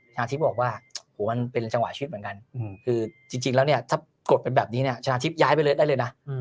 ชนะทิพย์บอกว่าโหมันเป็นจังหวะชีวิตเหมือนกันคือจริงแล้วเนี่ยถ้ากดไปแบบนี้เนี่ยชนะทิพย์ย้ายไปเลยได้เลยนะ